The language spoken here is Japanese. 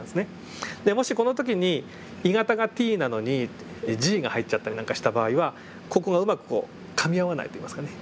でもしこの時に鋳型がＴなのにＧが入っちゃったりなんかした場合はここがうまくかみ合わないといいますかね。